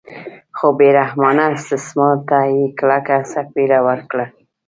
خو بې رحمانه استثمار ته یې کلکه څپېړه ورکړه.